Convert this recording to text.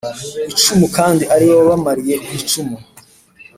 icumu kandi ari we wabamariye ku icumu.